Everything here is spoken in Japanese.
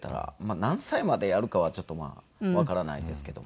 何歳までやるかはちょっとまあわからないですけども。